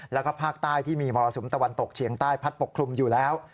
แล้วก็ภาคใต้ที่มีมรสุมตะวันตกเฉียงใต้พัดปกคลุมอยู่แล้ว